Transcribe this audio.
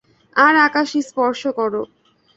আর আকাশ স্পর্শ করো।